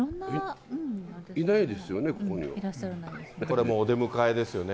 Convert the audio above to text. いないですよね、これ、お出迎えですよね。